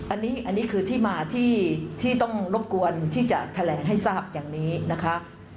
อันนี้คือที่มาที่ต้องรบกวนที่จะแถลงให้ทราบอย่างนี้นะคะ